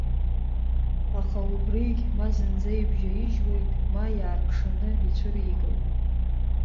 Аха убригь ма зынӡа ибжьаижьуеит, ма иааркшаны ицәыригоит.